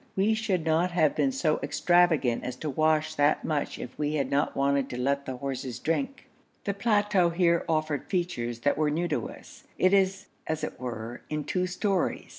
We should not have been so extravagant as to wash that much if we had not wanted to let the horses drink. The plateau here offered features that were new to us. It is as it were in two stories.